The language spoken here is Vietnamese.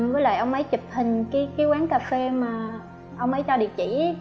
với lại ông ấy chụp hình cái quán cà phê mà ông ấy cho địa chỉ